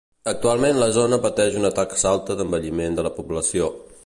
Actualment la zona pateix una taxa alta d'envelliment de la població.